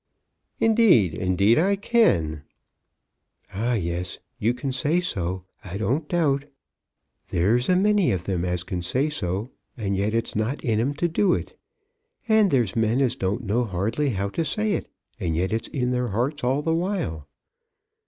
"Indeed, indeed, I can." "Ah, yes; you can say so, I don't doubt. There's a many of them as can say so, and yet it's not in 'em to do it. And there's men as don't know hardly how to say it, and yet it's in their hearts all the while."